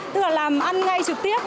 tức là làm ăn ngay trực tiếp